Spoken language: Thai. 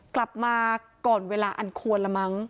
กลับมาก่อนเวลาอันควรละมั้ง